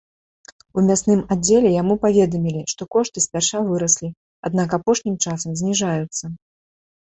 У мясным аддзеле яму паведамілі, што кошты спярша выраслі, аднак апошнім часам зніжаюцца.